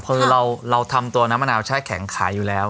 คือเราทำตัวน้ำมะนาวแช่แข็งขายอยู่แล้ว